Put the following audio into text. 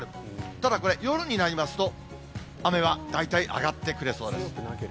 ただこれ、夜になりますと、雨は大体上がってくれそうです。